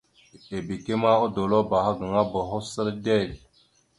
Ebeke ma odolabáaha gaŋa boho səla dezl.